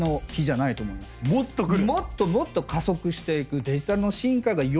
もっともっと加速していく。